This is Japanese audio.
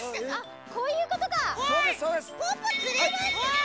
あっこういうことか！